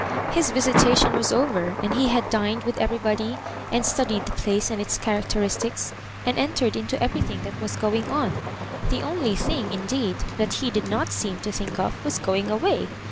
His visitation was over, and he had dined with every body, and studied the place and its characteris tics, and entered into everything that was going on. The only thing, indeed, that he did not seem to think of, was going away.